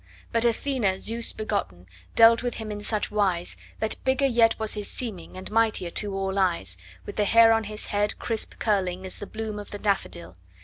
But Athene, Zeus begotten, dealt with him in such wise That bigger yet was his seeming, and mightier to all eyes, With the hair on his head crisp curling as the bloom of the daffodil.